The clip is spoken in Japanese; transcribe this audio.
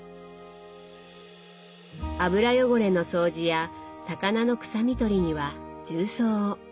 油汚れの掃除や魚の臭み取りには重曹を。